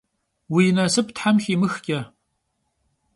Vui nasıp them ximıxç'e!